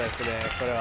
これは。